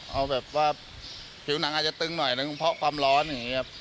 เอาแบบว่าผิวหนังอาจจะตึงหน่อยหนึ่งเพราะความร้อนอย่างนี้ครับ